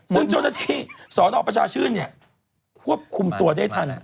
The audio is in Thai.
ซึ่งเจ้าหน้าที่สนประชาชื่นควบคุมตัวได้ทัน